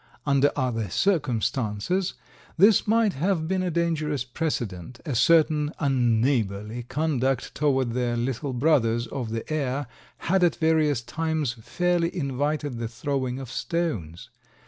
Under other circumstances this might have been a dangerous precedent, as certain unneighborly conduct toward their little brothers of the air had at various times fairly invited the throwing of stones.